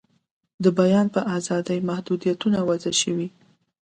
د بیان په آزادۍ محدویتونه وضع شوي.